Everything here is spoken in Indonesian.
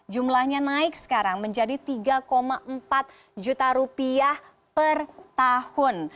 jumlahnya naik sekarang menjadi tiga empat juta rupiah per tahun